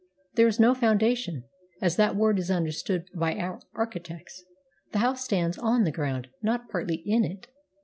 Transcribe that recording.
There is no foundation, as that word is understood by our architects. The house stands on the ground, not partly in it.